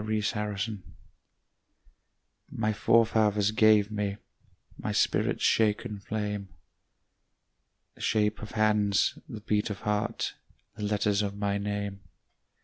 Driftwood My forefathers gave me My spirit's shaken flame, The shape of hands, the beat of heart, The letters of my name.